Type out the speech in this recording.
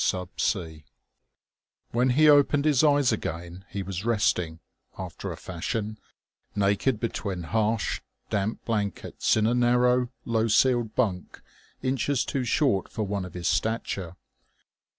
IX SUB SEA When he opened his eyes again he was resting, after a fashion, naked between harsh, damp blankets in a narrow, low ceiled bunk inches too short for one of his stature.